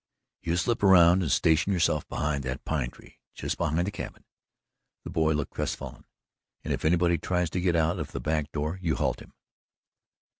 "You slip around and station yourself behind that pine tree just behind the cabin" the boy looked crestfallen "and if anybody tries to get out of the back door you halt him."